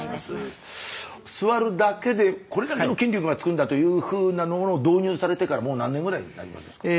座るだけでこれだけの筋力がつくんだというふうなものを導入されてからもう何年ぐらいになりますでしょうか？